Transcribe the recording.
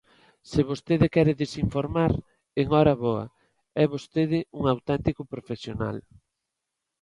Se vostede quere desinformar, en hora boa; é vostede un auténtico profesional.